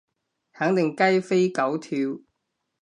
肯定雞飛狗跳